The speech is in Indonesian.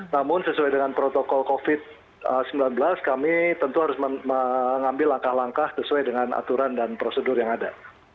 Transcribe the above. namun sesuai dengan protokol covid sembilan belas kami tentu harus mengambil langkah langkah sesuai dengan aturan dan prosedur yang ada